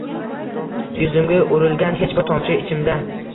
Yuzimga urilgan hech bir tomchi ichimda